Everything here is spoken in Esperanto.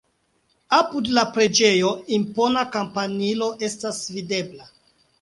Apud la preĝejo impona kampanilo estas videbla.